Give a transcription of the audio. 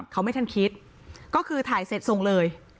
เขาไม่ทันคิดก็คือถ่ายเสร็จส่งเลย